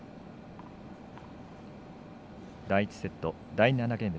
第１セット、第７ゲーム。